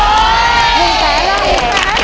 หมุนแสนแล้ว